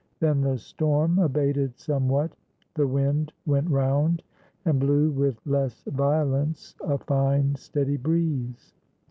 Then the storm abated somewhat. The wind went round, and blew with less violence a fine steady breeze.